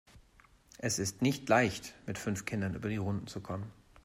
Es ist nicht leicht, mit fünf Kindern über die Runden zu kommen.